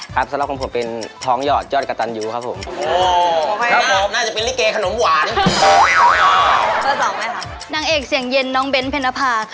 ครับสำหรับคนผมเป็นท้องหยอดยอดกะตันยูครับผม